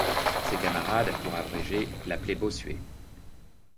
Ses camarades, pour abréger, l'appelaient Bossuet.